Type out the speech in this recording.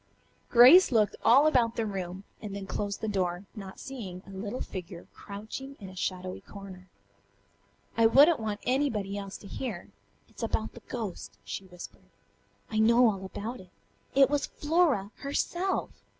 Grace looked all about the room and then closed the door, not seeing a little figure crouching in a shadowy corner. "I wouldn't want anybody else to hear. It's about the ghost," she whispered. "I know all about it. It was Flora herself!